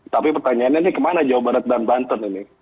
tapi pertanyaannya ini kemana jawa barat dan banten ini